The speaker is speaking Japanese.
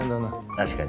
確かに。